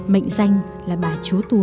mệnh danh là bà chúa tù